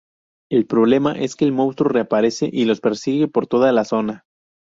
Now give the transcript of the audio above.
El problema es que el monstruo reaparece y los persigue por toda la zona.